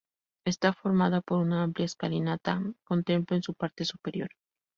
Está formada por una amplia escalinata con templo en su parte superior.